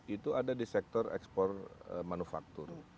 itu ada di sektor ekspor manufaktur